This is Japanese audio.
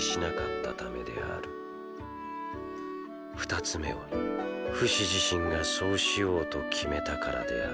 ２つめはフシ自身がそうしようと決めたからである。